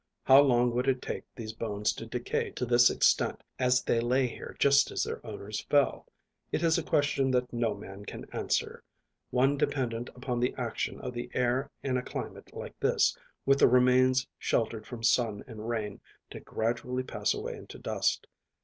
How long would it take these bones to decay to this extent as they lay here just as their owners fell? It is a question that no man can answer one dependent upon the action of the air in a climate like this, with the remains sheltered from sun and rain, to gradually pass away into dust.